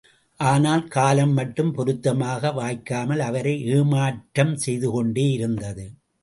ஆனால் காலம் மட்டும் பொருத்தமாக வாய்க்காமல் அவரை ஏமாற்றம் செய்துகொண்டே இருந்தது.